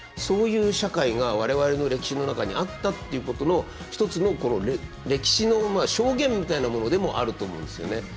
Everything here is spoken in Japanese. そういう社会が我々の歴史の中にあったっていうことの１つの歴史の証言みたいなものでもあると思うんですよね。